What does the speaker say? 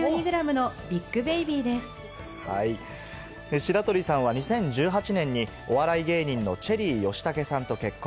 白鳥さんは２０１８年にお笑い芸人のチェリー吉武さんと結婚。